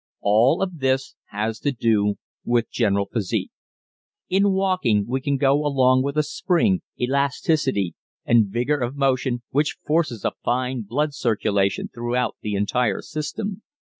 All of this has to do with general physique. In walking we can go along with a spring, elasticity, and vigor of motion which forces a fine blood circulation throughout the entire system.